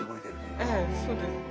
ええそうです。